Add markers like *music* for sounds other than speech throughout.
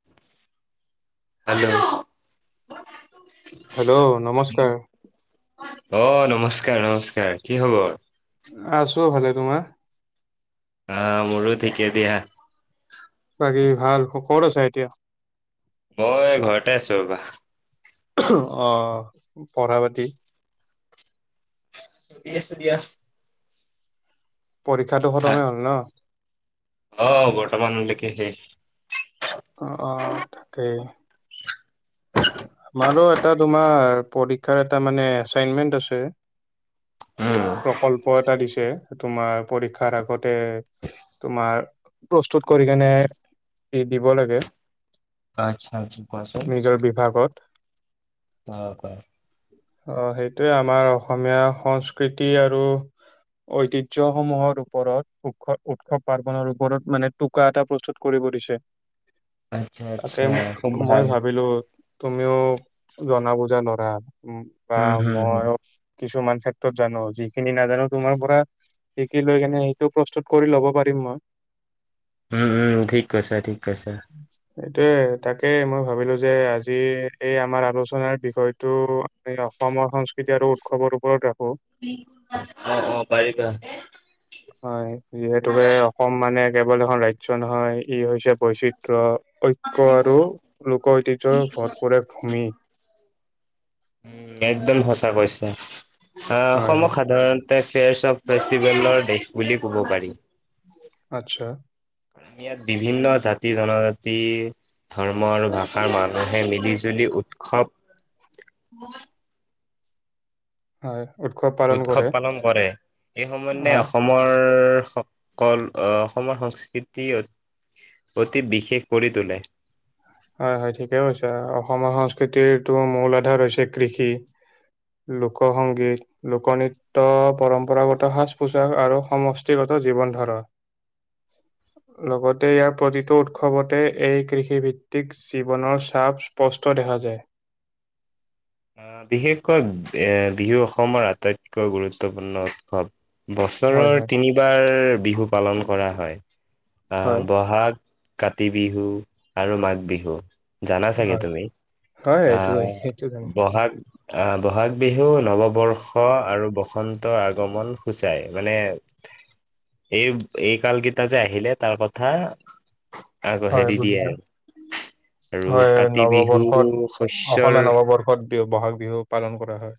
*unintelligible* Hello নমস্কাৰ। অ' নমস্কাৰ নমস্কাৰ, কি খবৰ? আছো ভালে, তোমাৰ? আ মোৰো ঠিকে দিয়া। বাকী ভাল, ক'ত আছা এতিয়া? মই ঘৰতে আছো ৰ'বা। অঁ পঢ়া-পাতি? ঠিকে আছোঁ দিয়া। ঠিক পৰীক্ষাটো ঠাক খতমে হ'ল ন? অ বৰ্তমানলৈকে শেষ। অ অ তাকেই। আমাৰো এটা তোমাৰ পৰীক্ষাৰ এটা মানে এচাইনমেণ্ট আছে। উম প্ৰকল্প এটা দিছে তোমাৰ পৰীক্ষাৰ আগতে তোমাৰ প্ৰস্তুত কৰি কেনে দি দিব লাগে। আটচ্ছা আটচ্ছা কোৱাচোন? তোৰ বিভাগত অ কোৱা অহ সেইটোৱে আমাৰ অসমীয়া সংস্কৃতি আৰু ঐতিহ্য সমূহৰ ওপৰত উৎস উৎসৱ পাৰ্বনৰ ওপৰত মানে টোকা এটা প্ৰস্তুত কৰিব দিছে। আচ্ছা আচ্ছা তাকে ম খুব ভাল মই ভাবিলো তুমিও জনা বুজা ল'ৰা বা উম হম হম মই কিছুমান ক্ষেত্ৰত জানো, যিখিনি নাজানো তোমাৰ পৰা শিকি লৈ কেনে এইটো প্ৰস্তুত কৰি ল'ব পাৰিম মই। ওম ওম ঠিক কৈছা, ঠিক কৈছা। তাকে তাকে মই ভাবিলো যে আজ যি এই আমাৰ আলোচনাৰ বিষয়টো আমি অসমৰ সংস্কৃতি আৰু উৎসৱৰ ওপৰত ৰাখো অ অ পাৰিবা। হয়, যিহেতুকে অসম মানে কেৱল এখন ৰাজ্য নহয়, ই হৈছে বৈচিত্ৰ, ঐক্য আৰু লোক ঐতিহ্যৰ ভৰপূৰ এক ভূমি। উম একদম সঁচা কৈছে আহ হয় হয় অসমক সাধাৰণ তে ফেয়াৰছ ফেষ্টিভেলৰ দেশ বুলি ক'ব পাৰি আচ্ছা। ইয়াত বিভিন্ন জাতি জনজাতি। ধৰ্ম আৰু ভাষাৰ মানুহে মিলি-জুলি উৎসৱ হয় উৎস পা উৎসৱ পালন কৰে, এই সমন্ধে হয় অসম মই সকল অসমৰ সংস্কৃতি অতি বিশেষ কৰি তোলে। হয়, হয় ঠিকেই কৈছা, অসমীয়া সংস্কৃতিৰতটো মূল আধাৰ হৈছে কৃষি। লোক সংগীত। লোকনৃত্য পৰম্পৰাগত সাজ-পোছাক আৰু সমষ্টিগত জীৱন ধাৰা। লগতে ইয়াৰ প্ৰতিটো উৎসৱতে এই কৃষি ভিত তিক জীৱনৰ চাপ স্পষ্ট দেখা যায়। আ, বিশেষকৈ এ, বিহু অসমৰ আটাইতকৈ গুৰুত্বপূৰ্ণ উৎসৱ। হয়, বছৰৰ হয়, তিনিবাৰ বিহু পালন কৰা হয়, হয়, বহাগ কাতি বিহু আৰু মাঘ বিহু জানা চাগে হয়, তুমি, হয় আ এইটো সেইটো জানো। বহাগ আ, বহাগ বিহু নৱবৰ্ষ আৰু বসন্ত আগমন সূচাই, মানে এই, এই কাল কেইটা যে আহিলে তাৰ কথা আকৌ হয় হেৰি দিয়ে। বুজিছো। আৰু হয় কাতি বিহু নৱবৰ্ষত, শস্যৰ অসমীয়া নৱবৰ্ষত। বিহু, বহাগ বিহু পালন কৰা হয়।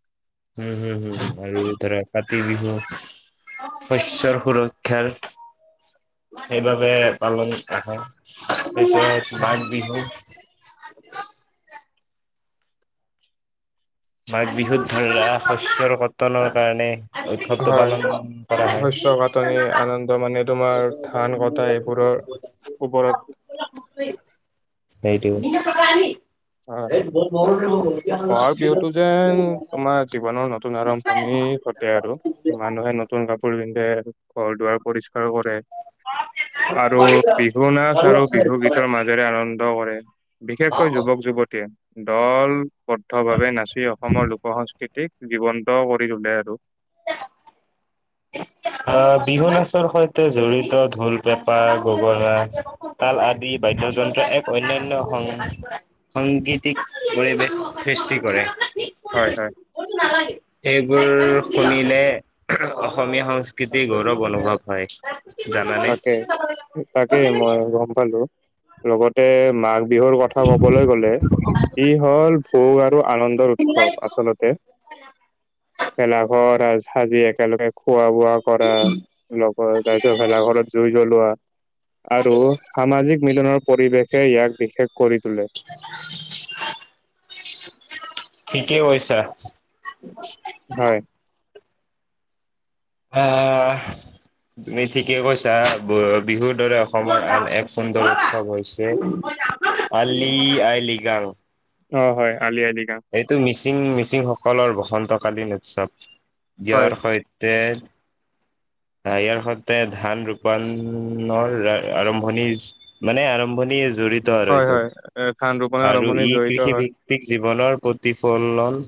উম, হুম, হুম, হুম আৰু ধৰা। কাতি বিহু শস্যৰ সুৰক্ষাৰ। সেইবাবে পালন কৰা হয়, তাৰপিছত মাঘ বিহু। মাঘ বিহুত ধৰি লোৱা শস্যৰ কটনৰ কাৰণে। উসৎৱটো হয় পালন কৰা শস্য কাটনি আনন্দ মানে তোমাৰ হয়। ধান কটা এইবোৰৰ ওপৰত। সেইটোয়েই। আহ বহাগ বিহুটো *unintelligible* যেন তোমাৰ জীৱনৰ নতুন আৰম্ভণি ঘটে আৰু। মানুহে নতুন কাপোৰ পিন্ধে, ঘৰ-দুৱাৰ পৰিষ্কাৰ কৰে। আৰু বিহু নাচ আৰু বিহু গীতৰ মাজেৰে আনন্দ কৰে। বিশেষকৈ যুৱক-যুৱতীয়ে। দল বদ্ধ ভাৱে নাচি অসমৰ লোক সংস্কৃতিক জীৱন্ত কৰি তোলে আৰু। *unintelligible* আ, বিহু নাচৰ সৈতে জড়িত ঢোল, পেঁপা, গগনা। তাল আদি বাদ্যযন্ত্ৰ এক অন্যান্য সং সংগীতিক পৰিৱেশ সৃষ্টি কৰে। হয়, হয়। এইবোৰ শুনিলে। অসমীয়া সংস্কৃতিৰ গৌৰৱ অনুভৱ হয়। জানানে? তাকে, তাকে মই গম পালো, লগতে মাক বিহুৰ কথা ক'বলৈ গ'লে, ই হ'ল ভোগ আৰু আনন্দ গৰ উৎসৱ আচলতে ভেলাঘৰ সাজি একেলগে খোৱা। বোৱা কৰা লগত, তাৰপিছত ভেলা ঘৰত জুই *unintelligible* লোৱা আৰু সামাজিক মিলনৰ পৰিৱেশে, ইয়াক বিশেষ কৰি তোলে। *unintelligible* ঠিকে কৈছা। হয়! আঁ তুমি ঠিকে কৈছা! *unintelligible* বিহুৰ দৰে, অসমৰ আন এক সুন্দৰ উৎসৱ হৈছে, আলি-আই-লৃগাং। অ'! হয়, আলি-আই-লৃগাং। এইটো মিচিং, মিচিংসকলৰ বসন্তকালীন উৎসৱ। হয় ইয়াৰ, সৈতে আঁ ইয়াৰ সৈতে, ধান ৰোপায়ণৰ আৰম্ভণি, মানে, আৰম্ভণি জড়িত আৰু হয় এইটো। হয় এ ধান ৰোপণৰ আৰু আৰম্ভণি এই, জড়িত কৃষি হয় ভি ত্তিক জীৱনৰ প্ৰতিফলন।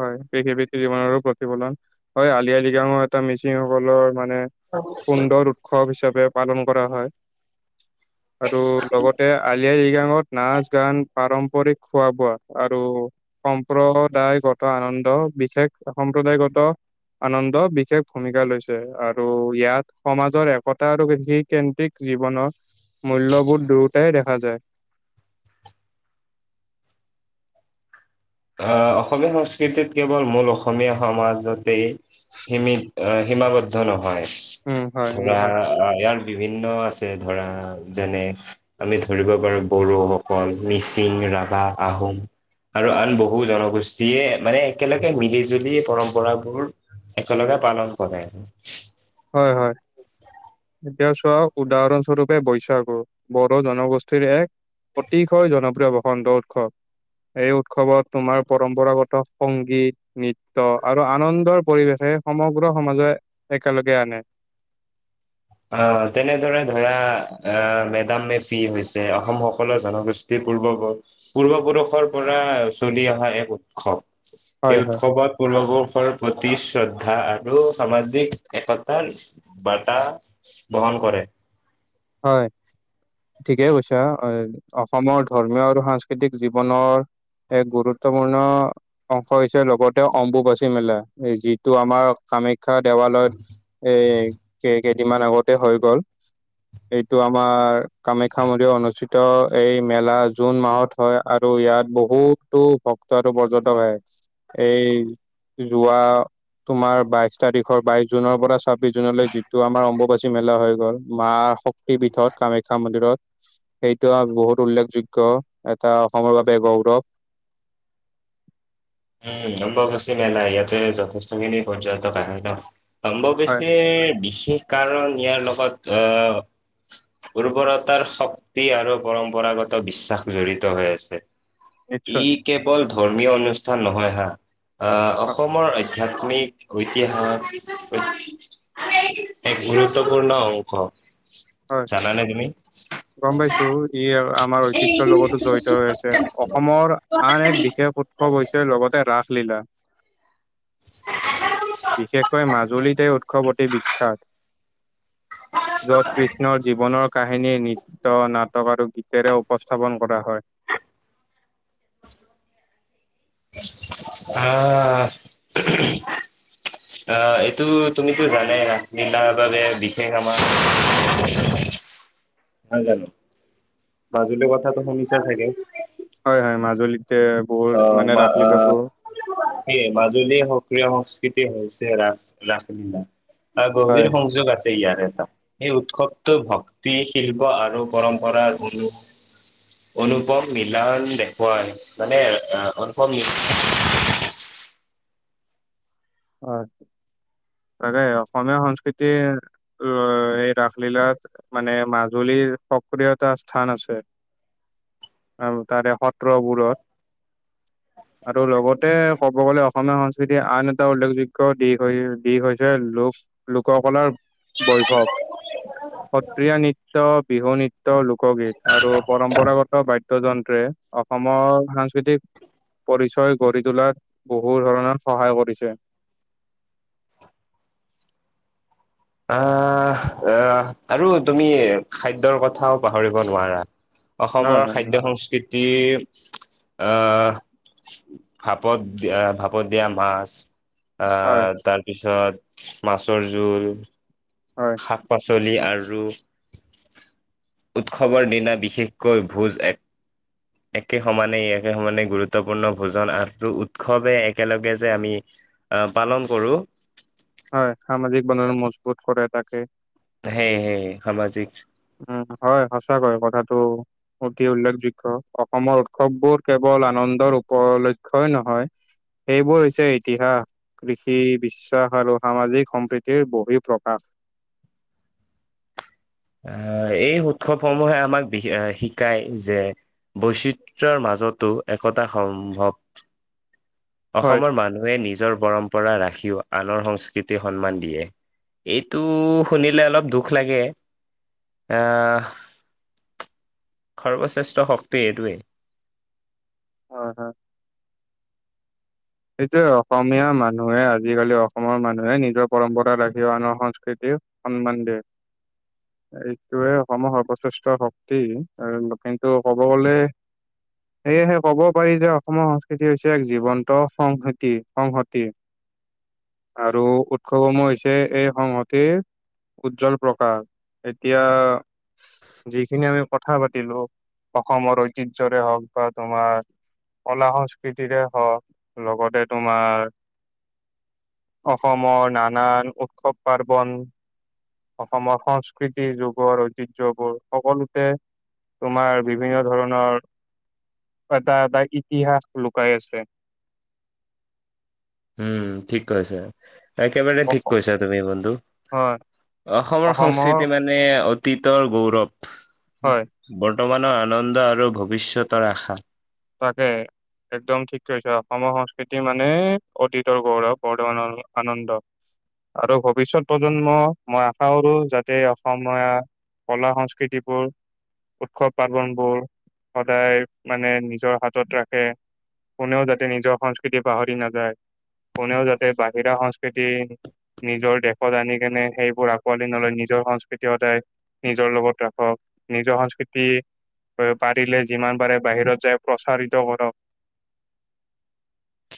হয়, *unintelligible* জীৱনৰো প্ৰতিফলন। হয়, আলি-আই-লৃগাংৰ এটা মিচিংসকলৰ মানে, সুন্দৰ উৎসৱ হিচাবে, পালন কৰা হয়। আৰু লগত তে, আলি-আই-লৃগাংত নাচ-গান, পাৰম্পৰিক খোৱা-বোৱা আৰু সম্প্ৰদায়গত আনন্দ, বিশেষ সম্প্ৰদায়গত আনন্দ বিশেষ ভূমিকা লৈছে। আৰু ইয়াত, সমাজৰ একতা আৰু বিশেষ কেন্দ্ৰিক জীৱনৰ, মূল্যবোৰ দুয়োটাই দেখা যায়। আঁ অসমীয়া সংস্কৃতিত কেৱল, মূল অসমীয়া সমাজতে, সীমিত, অ'! সীমাবদ্ধ নহয়। উম হয় ধৰা, নহয় ইয়াৰ বিভিন্ন আছে। ধৰা, যেনে আমি ধৰিব পাৰোঁ, বড়োসকল, মিচিং, ৰাভা, আহোম। আৰু আৰু ব বহু জনগোষ্ঠীয়ে মানে, একেলগে মিলি-জুলি পৰম্পৰাবোৰ একেলগে পালন কৰে। হয়, হয়। এতিয়া চোৱা, উদাহৰণ স্বৰূপে-বৈশাগু, বড়ো জনগোষ্ঠীৰ এক অতিকৈ জনপ্ৰিয় বসন্ত উৎসৱ। এই উৎসৱত তোমাৰ, পৰম্পৰাগত সংগীত, নৃত্য। আৰু আনন্দৰ পৰিৱেশে সমগ্ৰ সমাজে একেলগে আনে। আঁ তেনেদৰে ধৰা, আঁ মে-ডাম-মে-ফি হৈছে, অসম সকলোৱে জনগো ষ্ঠী *unintelligible* পূৰ্ব-পুৰুষৰ পৰা চলি অহা, এক উৎসৱ। হয় এই হয় উৎসৱত *unintelligible* বৰ্ষৰ প্ৰতি শ্ৰদ্ধা আৰু সামাজিক একতাৰ বাৰ্তা বহন কৰে। হয়! ঠিকে কৈছা! অসমৰ ধৰ্মীয় আৰু সাংস্কৃতিক জীৱনৰ এক গুৰুত্বপূৰ্ণ অংশ হৈছে, লগতে অম্বুবাচী মেলা। যিটো আমাৰ কামাখ্যা দেৱালয়ত, এই, কে-কেইদিনমান আগতে হৈ গ'ল। এইটো আমাৰ, কামাখ্যা মন্দিৰত অনুষ্ঠিত, এই মেলা, জুন মাহত হয়। আৰু ইয়াত, বহুতো ভক্ত আৰু পৰ্যটক আহে। এই, যোৱা, তোমাৰ, বাইছ তাৰিখৰ, বাইছ জুনৰ পৰা চাব্বিছ জুনলৈ, যিটো আমাৰ অম্বুবাচী মেলা হৈ গ'ল, মা শক্তি পীঠত, কামাখ্যা মন্দিৰত। সেইটো আৰু বহুত উল্লেখযোগ্য, এটা অসমৰ বাবে গৌৰৱ। উম, অম্বুবাচী মেলা। ইয়াতে, যথেষ্ঠখিনি পৰ্টকয আহে ন'। হয় অম্বোবাচীৰ, বিশেষ কাৰণত ইয়াৰ লগত, আঁ উৰ্বৰতাৰ শক্তি আৰু পৰম্পৰাগত বিশ্বাস জড়িত হৈ আছে। যি নিশ্চয় কেৱল ধৰ্মীয় অনুষ্ঠান নহয় হা আহ, হয় অসমৰ অদ আধ্যাত্মিক, ঐতিহাস *unintelligible* এক গুৰুত্বপূৰ্ণ অংশ। হয় জানানে তুমি? গ'ম পাইছো ই আৰু আমাৰ ঐতিহ্যৰ লগতো জড়িত হৈ আছে। অসমৰ আন এক বিশেষ উৎসৱ হৈছে লগতে ৰাসলীলা। বিশেষকৈ মাজুলীতে উৎসৱ অতি বিখ্যাত। য'ত কৃষ্ণৰ জীৱনৰ কাহিনী, নৃত্য, নাটক, আৰু গীতেৰে উপস্থাপন কৰা হয়। আহ, আহ, এইটো তুমিতো জানাই না মেলাৰ বাবে বিশেষ আমাৰ *inaudible* হয় জানো, মাজুলীৰ কথাটো শুনিছা ছাগে? হয়, হয় মাজুলীতে বহুত মান মা আ সেয়ে মাজুলীৰ সক্ৰিয় সংস্কৃতি হৈছে ৰাচ ৰাসলীলা তাৰ হয়। গভীৰ সংযোগ আছে ইয়াৰ এটা। এই উৎসৱটো ভক্তি, শিল্প আৰু পৰম্পৰাৰ অনু অনুপম মিলান দেখুৱাই হয় মানে অনুপম *inaudible* হয়, তাকে অসমীয়া সংস্কৃতিৰ এ, ৰাসলীলাত মানে মাজুলীৰ সক্ৰিয়তা স্থান আছে। আৰু তাৰে সত্ৰবোৰত আৰু লগতে ক'ব গলে অসমীয়া সংস্কৃতি আন এট এটা উল্লেখযোগ্য দিশ হৈ দিশ হৈছে লোক, লোককলাৰ বৈভৱ। *inaudible* সত্ৰীয়া নৃত্য, বিহু নৃত্য, লোকগীত আৰু পৰম্পৰাগত বাদ্যযন্ত্ৰে অ' সমৰ সাংস্কৃতিক পৰিচয় গঢ়ি তোলাত বহু ধৰণত সহায় কৰিছে। আহ, আহ, আৰু তুমি খাদ্যৰ কথাও পাহৰিব নোৱাৰা। হয়, অসমৰ হয়, খাদ্য, সংস্কৃতি আহ, ভাপত, ভাপত দিয়া মাছ হয়। আহ, তাৰ পিছত মাছৰ জোল হয়। শাক-পাচলি আৰু উৎসৱৰ দিনা বিশেষকৈ ভোজ এক একে সমানে, একে সমানে, গুৰুত্বপূৰ্ণ ভোজন *unintelligible* উৎসৱে একেলগে যে আমি অ'পালন কৰোঁ হয় সামাজিক বনৰ মজবুত কৰে তাকে সেই, সেই সামাজিক উম, হয়, সঁচা কৈ কথাটো। অতি উল্লেখযোগ্য অসমৰ উৎসৱবোৰ কেৱল আনন্দৰ উপৰলক্ষই নহয় সেইবোৰ হৈছে ইতিহাস কৃষি বিশ্বাস আৰু সামাজিক সম্প্ৰীতিৰ বহি প্ৰকাশ। আহ, এই উৎসৱসমূহে আমাক বিশে শিকায় যে বৈচিত্ৰৰ মাজতো একতা সম্ভৱ। হয়, অসমৰ মানুহে নিজৰ পৰম্পৰা ৰাখিও আনৰ সংস্কৃতি সন্মান দিয়ে। এইটো শুনিলে অলপ দুখ লাগে। আ- সৰ্বশ্ৰেষ্ঠ শক্তি এইটোৱেই। হয়, হয়। সেইটোৱে অসমীয়া মানুহে আজিকালি অসমৰ মানুহে নিজৰ পৰম্পৰা ৰাখি আনৰ সংস্কৃতি- সন্মান দিয়ে। এইটোয়ে অসমৰ সৰ্বশ্ৰেষ্ঠ শক্তি। কিন্তু ক'ব গলে- সেয়েহে ক'ব পাৰি যে অসমৰ সংস্কৃতি হৈছে এক জীৱন- ত সংহতি -সংহতি। আৰু উৎসৱসমূহ হৈছে এই সংহতিৰ- উজ্জ্বল প্ৰকাশ। এতিয়া- যিখিনি আমি কথা পাতিলো অসমৰ ঐতিহ্যৰে হওঁক বা তোমাৰ- কলা -সংস্কৃতিৰে হওঁক লগতে তোমাৰ- অসমৰ নানান উৎসৱ পাৰ্বন। অসমৰ সংস্কৃতি যুগৰ ঐতিহ্যবোৰ সকলোতে- তোমাৰ বিভিন্ন ধৰণৰ এটা এটা ইতিহাস লুকাই আছে। উম, ঠিক কৈছা। একেবাৰে ঠিক অস কৈছা তুমি বন্ধু। হয় অসমৰ সংস্কৃতি মানে- মানে অতীতৰ গৌৰৱ। হয় বৰ্তমানৰ আনন্দ আৰু ভৱিষ্যতৰ আশা। তাকে। একদম ঠিক কৈছে। অসমৰ সংস্কৃতি মানে অতীতৰ গৌৰৱ বৰ্তমানৰ আনন্দ। আৰু ভৱিষ্যত প্ৰজন্মক মই আশা কৰো যাতে অসমীয়া- কলা -সংস্কৃতিবোৰ, উৎসৱ পাৰ্বন বোৰ সদায় মানে - নিজৰ হাতত ৰাখে, কোনেও যাতে নিজৰ সংস্কৃতি পাহৰি নাযায়। কোনেও যাতে বাহিৰা সংস্কৃতি- নিজৰ দেশত আনি কেনে সেইবোৰ আঁকোৱালি নলয়, নিজৰ সংস্কৃতি সদায়- নিজৰ লগত ৰাখক, নিজৰ সংস্কৃতি পাৰিলে যিমান পাৰে বাহিৰত যায়- প্ৰচাৰিত কৰক।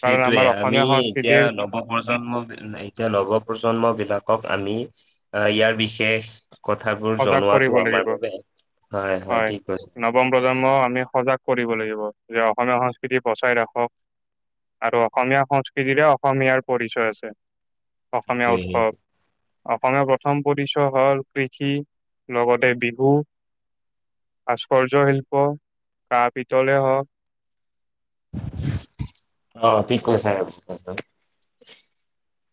কাৰণ সেইটোয়ে। আমাৰ আমি অসমীয়া এতিয়া সংস্কৃতিৰ নৱ- প্ৰজন্ম, এতিয়া নৱ প্ৰজন্ম বিলাকক আমি আহ ইয়াৰ বিশেষ- কথাবোৰ সজাগ কৰিব জনোৱাতো আমাৰ লাগিব বাবে, হয়, হয় ঠিক কৈছা। নৱ- প্ৰজন্মক আমি সজাগ কৰিব লাগিব যে অসমীয়া সংস্কৃতি বচাই ৰাখক- আৰু অসমীয়া সংস্কৃতিৰে অসমীয়াৰ পৰিচয় আছে। অসমীয়া সেইটোৱে সেইটোৱে উৎসৱ অসমীয়া প্ৰথম পৰিচয় হ'ল কৃষি। লগতে বিহু, ভাস্কৰ্য শিল্প, কাঁহ পিতলে হওঁক - অঁ, ঠিক কৈছা।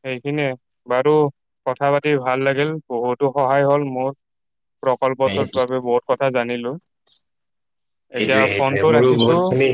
সেইখিনিয়ে বাৰু কথা পাতি ভাল লাগিল, বহুতো সহায় হ'ল মোৰ। প্ৰকল্পটোৰ সেইটোৱে বাবে বহুত কথা জানিলোঁ। এতিয়া সেইটোৱে সেইটোৱে ফোনটো মোৰো বহুত ৰাখিছোঁ। খিনি